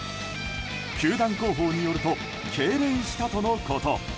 球団広報によるとけいれんしたとのこと。